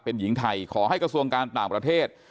เป็นหญิงไทยขอให้กระทรวงการต่างประเทศ